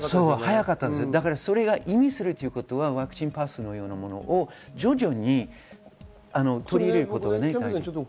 それが意味するということは、ワクチンパスのようなものを徐々に取り入れることがね。